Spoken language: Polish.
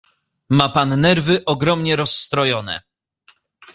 "Ma pan nerwy ogromnie rozstrojone."